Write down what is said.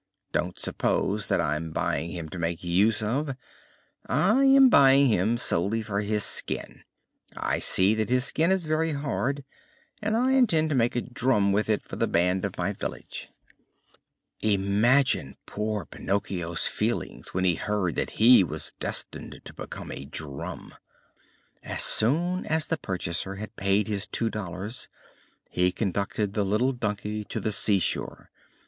Don't suppose that I am buying him to make use of; I am buying him solely for his skin. I see that his skin is very hard and I intend to make a drum with it for the band of my village." Imagine poor Pinocchio's feelings when he heard that he was destined to become a drum! As soon as the purchaser had paid his two dollars he conducted the little donkey to the seashore.